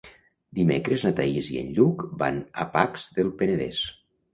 Dimecres na Thaís i en Lluc van a Pacs del Penedès.